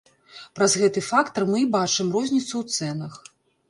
Праз гэты фактар мы і бачым розніцу ў цэнах.